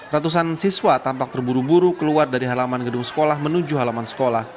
ratusan siswa tampak terburu buru keluar dari halaman gedung sekolah menuju halaman sekolah